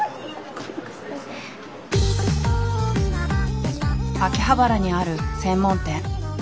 秋葉原にある専門店。